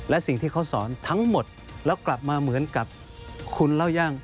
และสิ่งที่เขาสอนทั้งหมดแล้วกลับมาเหมือนกับคุณเล่าย่าง